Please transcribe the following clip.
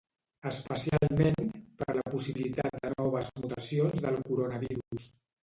Especialment, per la possibilitat de noves mutacions del coronavirus.